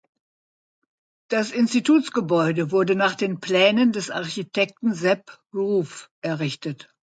Das Institutsgebäude wurde nach den Plänen des Architekten Sep Ruf errichtet.